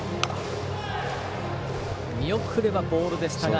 見送ればボールでしたが。